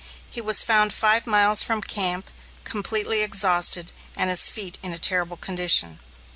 He was found five miles from camp, completely exhausted and his feet in a terrible condition.